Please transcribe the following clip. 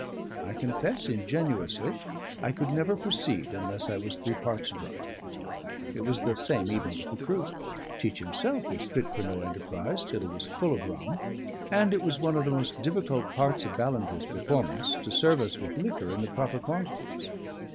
I confess ingenuously I could never proceed unless I was three parts drunk; it was the same even with the crew; Teach himself was fit for no enterprise till he was full of rum; and it was one of the most difficult parts of Ballantrae's performance to serve us with liquor in the proper quantities.